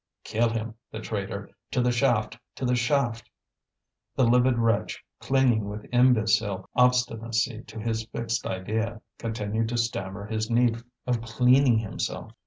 "Kill him! the traitor! To the shaft! to the shaft!" The livid wretch, clinging with imbecile obstinacy to his fixed idea, continued to stammer his need of cleaning himself.